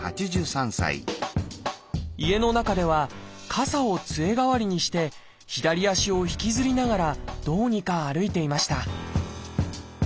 家の中では傘をつえ代わりにして左足を引きずりながらどうにか歩いていました